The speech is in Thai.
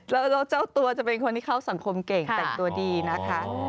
แล้วเจ้าตัวจะเป็นคนที่เข้าสังคมเก่งแต่งตัวดีนะคะ